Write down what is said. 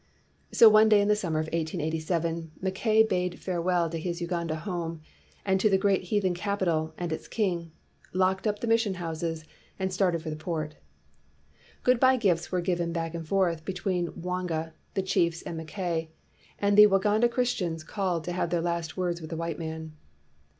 t So one day in the summer of 1887, Mackay bade farewell to his Uganda home, and to the great heathen capital and its king, locked up the mission houses, and started for the port. Good by gifts were given back and forth 255 WHITE MAN OF WORK between Mwanga, the chiefs, and Mackay; and the Waganda Christians called to have their last words with the white man.